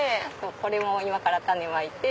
これも今から種をまいて。